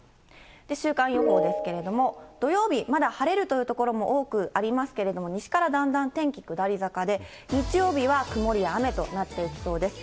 週間予報ですけれども、土曜日、まだ晴れるという所も多くありますけれども、西からだんだん天気下り坂で、日曜日は曇りや雨となっていきそうです。